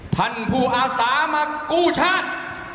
ท่านผู้อาสามากู้ชาติ